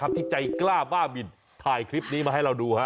ที่ใจกล้าบ้าบินถ่ายคลิปนี้มาให้เราดู